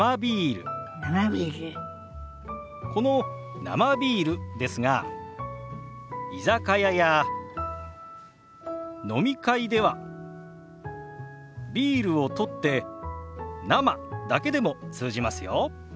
この「生ビール」ですが居酒屋や飲み会では「ビール」を取って「生」だけでも通じますよ。